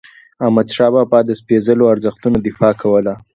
احمدشاه بابا د سپيڅلو ارزښتونو دفاع کوله.